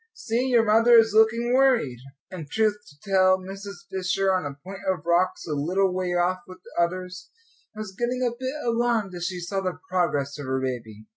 "See, your mother is looking worried." And, truth to tell, Mrs. Fisher, on a point of rocks a little way off with the others, was getting a bit alarmed as she saw the progress of her baby.